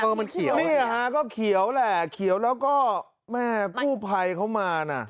มันเขียวนี่ฮะก็เขียวแหละเขียวแล้วก็แม่กู้ภัยเขามานะ